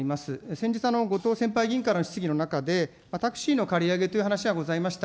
先日、ごとう先輩議員からの質疑の中で、タクシーの借り上げという話がございました。